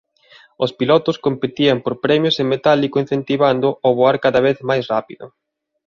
Os pilotos competían por premios en metálico incentivando o voar cada vez máis rápido.